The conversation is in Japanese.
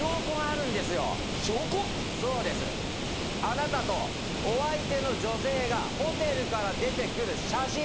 あなたとお相手の女性がホテルから出てくる写真。